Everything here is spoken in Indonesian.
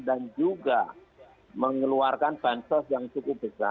dan juga mengeluarkan bansos yang cukup besar